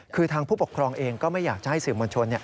คือทางผู้ปกครองเองก็ไม่อยากจะให้สื่อมวลชน